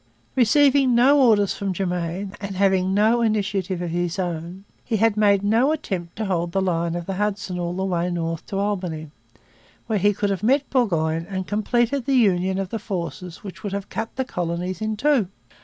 Receiving no orders from Germain, and having no initiative of his own, he had made no attempt to hold the line of the Hudson all the way north to Albany, where he could have met Burgoyne and completed the union of the forces which would have cut the Colonies in two.